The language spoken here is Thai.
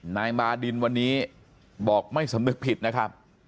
นายบาดินวันนี้บอกไม่เสมอผิดนะครับ